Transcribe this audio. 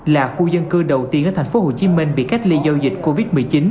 là khu dân cư đầu tiên ở tp hcm bị cách ly do dịch covid một mươi chín